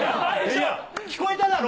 聞こえただろ？